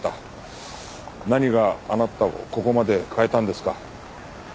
何があなたをここまで変えたんですか？